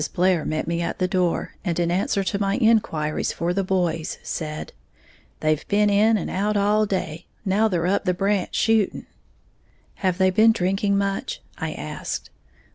Blair met me at the door, and in answer to my inquiries for the boys, said, "They've been in and out all day; now they're up the branch shooting." "Have they been drinking much?" I asked.